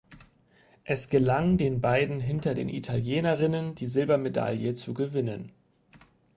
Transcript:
Es gelang den beiden hinter den Italienerinnen die Silbermedaille zu gewinnen.